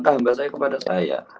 kambah saya kepada saya